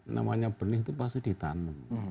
namanya benih itu pasti ditanam